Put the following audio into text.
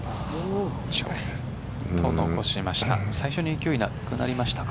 残しました。